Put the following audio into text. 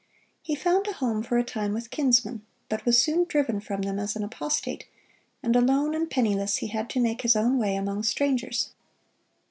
He found a home for a time with kinsmen, but was soon driven from them as an apostate, and alone and penniless he had to make his own way among strangers.